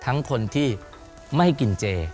ทั้งคนที่ไม่กินเจ